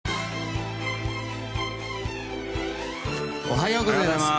おはようございます。